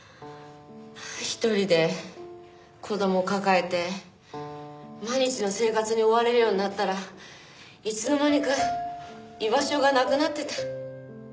一人で子供を抱えて毎日の生活に追われるようになったらいつの間にか居場所がなくなってた。